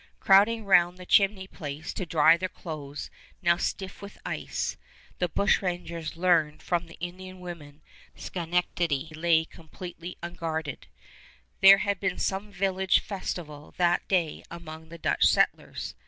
Crowding round the chimney place to dry their clothes now stiff with ice, the bushrangers learned from the Indian women that Schenectady lay completely unguarded. There had been some village festival that day among the Dutch settlers.